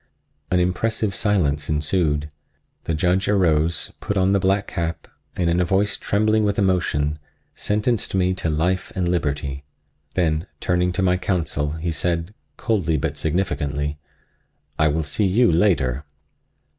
An impressive silence ensued. The Judge arose, put on the black cap and in a voice trembling with emotion sentenced me to life and liberty. Then turning to my counsel he said, coldly but significantly: "I will see you later."